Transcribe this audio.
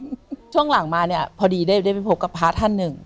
ช่วงหลังมาเนี่ยพอดีได้ไปพบกับพระท่านหนึ่ง